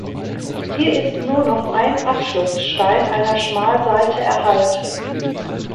Hier ist nur noch ein Abschlussstein einer Schmalseite erhalten.